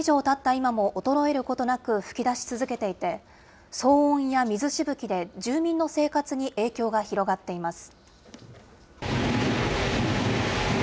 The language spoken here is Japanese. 今も、衰えることなく噴き出し続けていて、騒音や水しぶきで住民の生活に影響が広がっています。